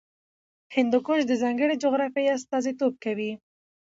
هندوکش د ځانګړې جغرافیې استازیتوب کوي.